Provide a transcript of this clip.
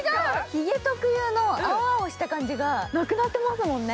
ひげ特有の青々した感じがなくなってますもんね。